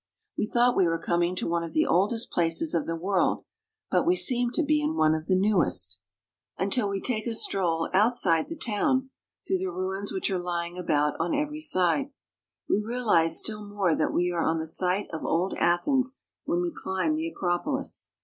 We thought we were coming to one of the oldest places of the world ; but we seem to be in one of the newest, IN MODERN GREECE. 385 until we take a stroll outside the town, through the ruins which are lying about on every side. We realize still more that we are on the site of old Athens when we climb the Acropolis.